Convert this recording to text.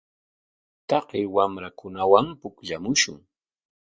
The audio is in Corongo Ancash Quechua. Taqay wamrakunawan pukllamushun.